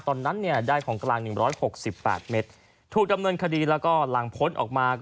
ตอนนั้นเนี่ยได้ของกลาง๑๖๘เมตรถูกดำเนินคดีแล้วก็หลังพ้นออกมา